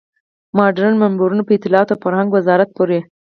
مډرن منبرونه په اطلاعاتو او فرهنګ وزارت پورې.